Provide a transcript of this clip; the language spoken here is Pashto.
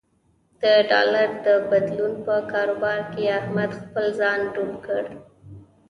د ډالر د بدلون په کاروبار کې احمد خپل ځان ډوب یې کړ.